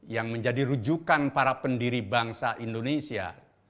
yang menjadi rujukan para pendiri bangsa indonesia